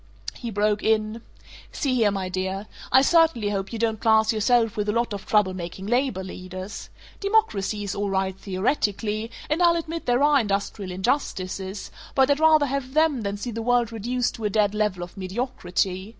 He broke in: "See here, my dear, I certainly hope you don't class yourself with a lot of trouble making labor leaders! Democracy is all right theoretically, and I'll admit there are industrial injustices, but I'd rather have them than see the world reduced to a dead level of mediocrity.